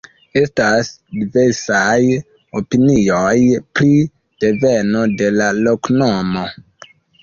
Estas diversaj opinioj pri deveno de la loknomo.